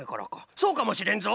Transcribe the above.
そうかもしれんぞ！